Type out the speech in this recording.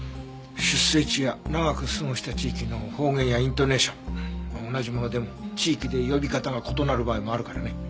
出生地や長く過ごした地域の方言やイントネーション同じものでも地域で呼び方が異なる場合もあるからね。